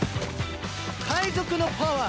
海賊のパワー！